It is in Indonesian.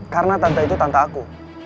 karena tante itu tante aku